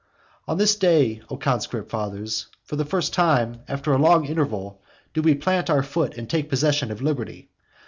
On this day, O conscript fathers, for the first time after a long interval do we plant our foot and take possession of liberty.